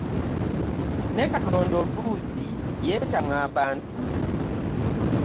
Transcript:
Ne Katonda oluusi yeetamwa abantu.